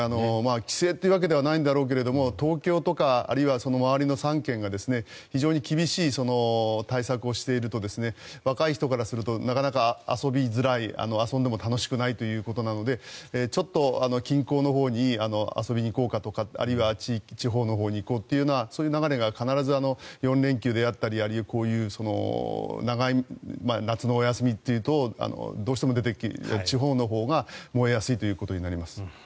帰省というわけじゃないんだろうけど東京とかあるいはその周りの３県が非常に厳しい対策をしていると若い人からするとなかなか遊びづらい遊んでも楽しくないということなのでちょっと近郊のほうに遊びに行こうかとかあるいは地方のほうに行こうというような流れが必ず４連休であったりこういう長い夏のお休みというとどうしても出てきて地方のほうが燃えやすいということになります。